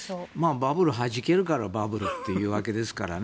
バブルははじけるからバブルと言うわけですからね。